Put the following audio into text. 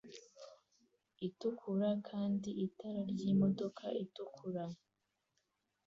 itukura kandi itara ryimodoka itukura